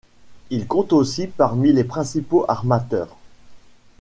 Il compte aussi parmi les principaux armateurs.